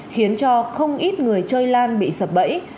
khiến cho không ít người chơi lan bị sập bẫy